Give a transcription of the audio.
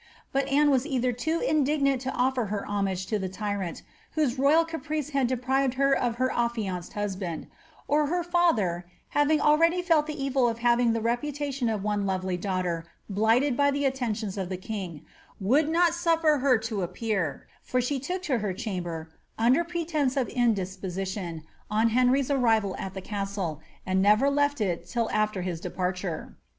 But Anne was either too indignant to offiir her homage to the tyrant, whose royal caprice had deprived her of her affianced husband, or her father, having already felt the evil of liaving the reputation of one lovely daughter blighted by the attentions of the king, would not sufiet her to appear, for she took to her chamber, under pretence of indisposi tion, on Henry's arrival at tlie castle, and never left it till after his de parture.'